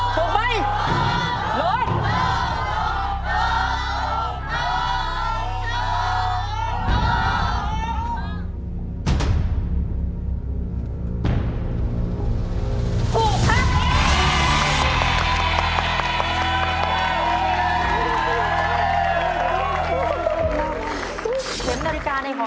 พูดใหม่